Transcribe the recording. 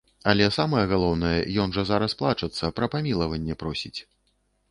Але самае галоўнае, ён жа зараз плачацца, пра памілаванне просіць.